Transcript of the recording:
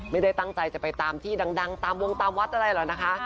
ไม่ได้ตั้งใจจะไปตามที่ดังตามวงตามวัดอะไรหรอกนะคะ